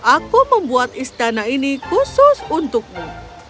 aku membuat istana ini khusus untukmu